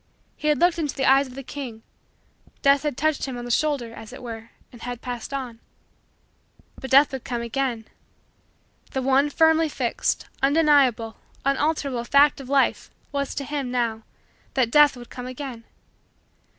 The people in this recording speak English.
He had looked into the eyes of the King. Death had touched him on the shoulder, as it were, and had passed on. But Death would come again. The one firmly fixed, undeniable, unalterable, fact in Life was, to him, now, that Death would come again.